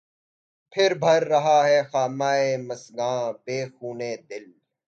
پهر بهر رہا ہے خامہ مژگاں، بہ خونِ دل